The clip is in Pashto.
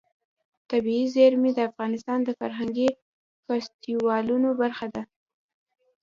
طبیعي زیرمې د افغانستان د فرهنګي فستیوالونو برخه ده.